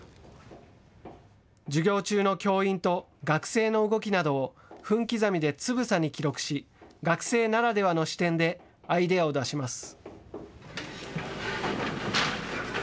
授業中の教員と学生の動きなどを分刻みでつぶさに記録し学生ならではの視点でアイデアを出します。